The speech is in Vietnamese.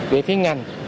về phía ngành